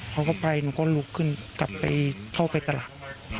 เขาก็ไปหนูก็ลุกขึ้นกลับไปเข้าไปตลาด